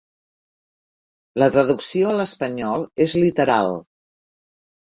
La traducció a l'espanyol és literal.